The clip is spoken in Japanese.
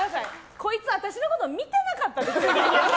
こいつ、私のこと見てなかったですよ。